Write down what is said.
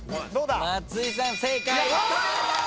松井さん正解。